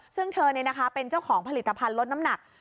ซึ่งเธอเป็นเจ้าของผลิตภัณฑ์ลดน้ำหนัก